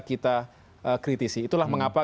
kita kritisi itulah mengapa